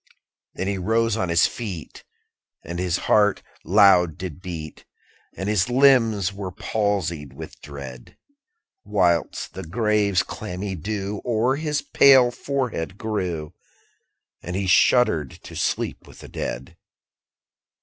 10. Then he rose on his feet, And his heart loud did beat, And his limbs they were palsied with dread; _55 Whilst the grave's clammy dew O'er his pale forehead grew; And he shuddered to sleep with the dead.